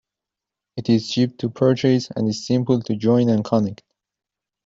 It is cheap to purchase and is simple to join and connect.